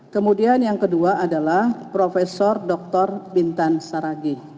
kemudian yang kedua adalah profesor dr bintan saragi